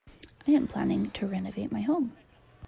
I am planning to renovate my home.